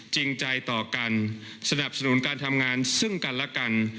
จริงใจต่อกันสนับสนุนการทำงานซึ่งกันและกัน